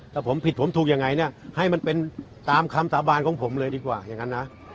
ถ้าผมผิดผมถูกยังไงเนี่ยให้มันเป็นตามคำสาบานของผมเลยดีกว่าอย่างนั้นนะ